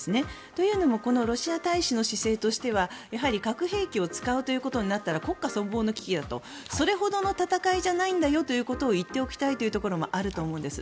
というのもこのロシア大使の姿勢としてはやはり核兵器を使うということになったら国家存亡の危機だと。それほどの戦いんじゃないんだよということを言っておきたいというところもあると思うんです。